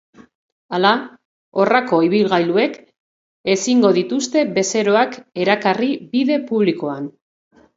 Hala, horrelako ibilgailuek ezingo dituzte bezeroak erakarri bide publikoan.